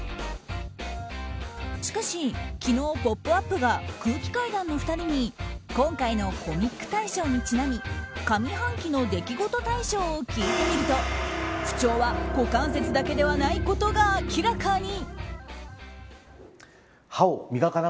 しかし昨日「ポップＵＰ！」が空気階段の２人に今回のコミック大賞にちなみ上半期の出来事大賞を聞いてみると不調は股関節だけではないことが明らかに。